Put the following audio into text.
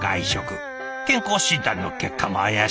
健康診断の結果も怪しくなっていた。